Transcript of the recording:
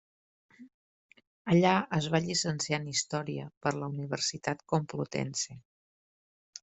Allà es va llicenciar en història per la Universitat Complutense.